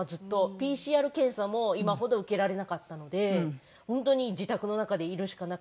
ＰＣＲ検査も今ほど受けられなかったので本当に自宅の中でいるしかなくて。